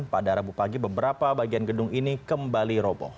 pada rabu pagi beberapa bagian gedung ini kembali roboh